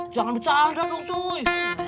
jangan bercanda dong coy